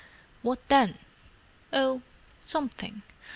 "What then?" "Oh—something.